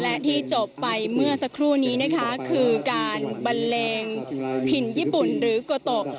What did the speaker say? และที่จบไปเมื่อสักครู่นี้นะคะคือการบันเลงถิ่นญี่ปุ่นหรือโกโต